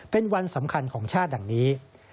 เป็นวันสำคัญของชาติดังนี้